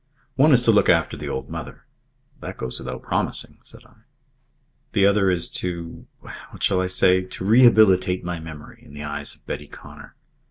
"One is to look after the old mother " "That goes without promising," said I. "The other is to what shall I say? to rehabilitate my memory in the eyes of Betty Connor.